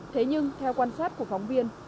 thế nhưng theo quan sát của phóng viên